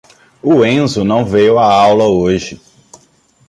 O Enzo não veio à aula hoje.